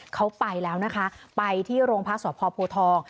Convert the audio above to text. เขาไปแล้วนะคะไปที่โรงพักษพทอง